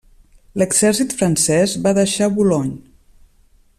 L'exèrcit francès va deixar Boulogne.